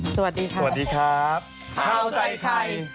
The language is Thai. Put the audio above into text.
โปรดติดตามตอนต่อไป